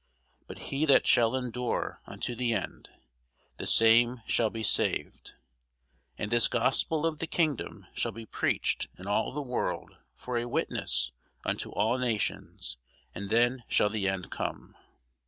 But he that shall endure unto the end, the same shall be saved. And this gospel of the kingdom shall be preached in all the world for a witness unto all nations; and then shall the end come.